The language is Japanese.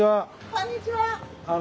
こんにちは。